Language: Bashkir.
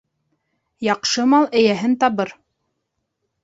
Яҡшы мал эйәһен табыр.